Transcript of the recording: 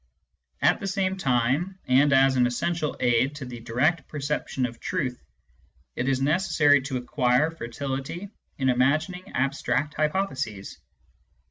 At the same time, and as an essential aid to the direct perception of the truth, it is necessary to acquire fertility in imagining abstract hypotheses.